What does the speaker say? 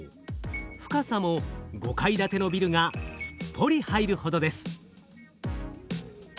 深さも５階建てのビルがすっぽり入るほどです。